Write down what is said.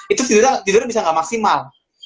itu tidurnya bisa nggak maksimal